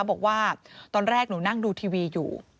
บอกว่าตอนแรกหนูนั่งดูทีวีอยู่